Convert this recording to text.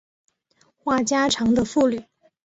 话家常的妇女